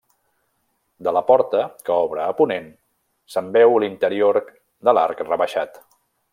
De la porta, que obre a ponent, se'n veu l'interior de l'arc rebaixat.